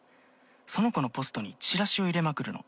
「その子のポストにチラシを入れまくるの」